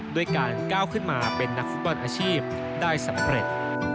ด้วยการก้าวขึ้นมาเป็นนักฟุตบอลอาชีพได้สำเร็จ